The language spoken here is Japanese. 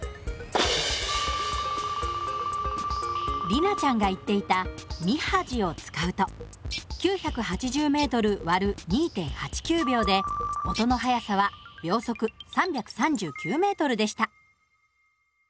里奈ちゃんが言っていた「みはじ」を使うと９８０ｍ÷２．８９秒で音の速さは秒速３３９ｍでした。